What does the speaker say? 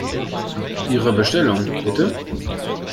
Ihre Bestellung, bitte!